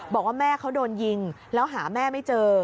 บอกว่าแม่เขาโดนยิงแล้วหาแม่ไม่เจอ